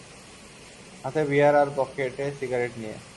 হাতে বিয়ার আর পকেটে সিগারেট নিয়ে।